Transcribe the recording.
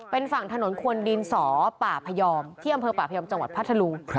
เป็นฝั่งถนนควนดินสอป่าพยอมที่อำเภอป่าพยอมจังหวัดพัทธลุง